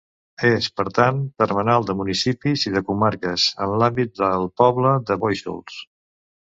És, per tant, termenal de municipis i de comarques, en l'àmbit del poble de Bóixols.